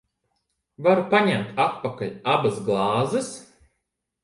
Varu paņemt atpakaļ abas glāzes?